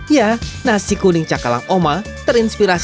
ya nasi kuning cakalang oma terinspirasi